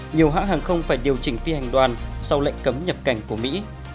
nhiều hãng hàng không phải điều chỉnh phi hành đoàn sau lệnh cấm nhập cảnh của mỹ